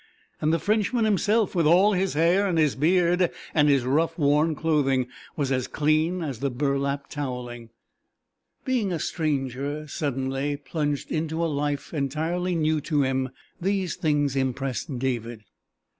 And the Frenchman himself, with all his hair, and his beard, and his rough worn clothing, was as clean as the burlap towelling. Being a stranger, suddenly plunged into a life entirely new to him, these things impressed David.